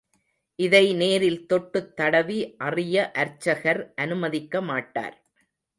இதை நேரில் தொட்டுத் தடவி அறிய அர்ச்சகர் அனுமதிக்கமாட்டார்.